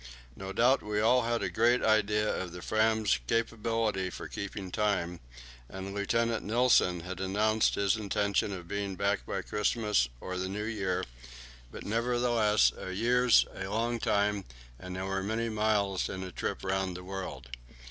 No doubt we all had a great idea of the Fram's capacity for keeping time, and Lieutenant Nilsen had announced his intention of being back by Christmas or the New Year; but nevertheless a year is a long time, and there are many miles in a trip round the world.